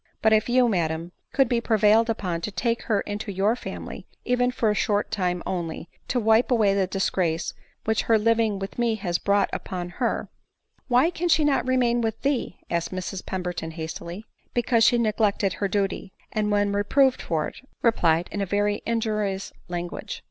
But if you, madam, could be prevailed upon to take her into your family, even for a short time only, to wipe away the disgrace which her living with me has brought upon her —" a Yfhy can she not remain with thee ?" asked Mrs Pemberton hastily. " Because she neglected her duty, and, when reproved for it, replied in very injurious language."